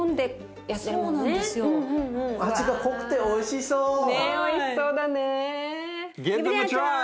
おいしそうだね。